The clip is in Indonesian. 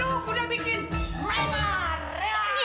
wisat pokonya m prim bukanya berir eventually